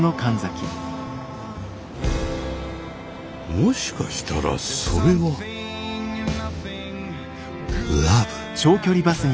もしかしたらそれはラヴ！